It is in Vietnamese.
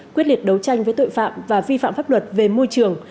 quyết liệt đấu tranh với tội phạm và vi phạm pháp luật về môi trường